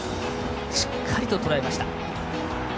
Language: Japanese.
しっかりととらえました。